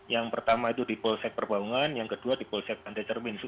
yang pertama itu di polsek perbaungan yang kedua di polsek pande cermin